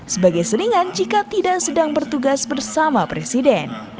sebagai seringan jika tidak sedang bertugas bersama presiden